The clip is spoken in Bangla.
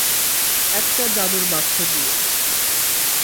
একটা জাদুর বাক্স দিয়ে।